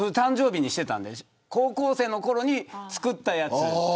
高校生のころに作ったやつ。